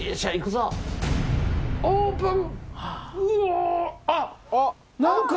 オープン。